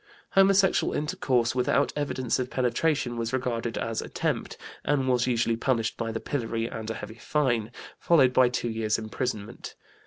Homosexual intercourse, without evidence of penetration, was regarded as "attempt" and was usually punished by the pillory and a heavy fine, followed by two years' imprisonment.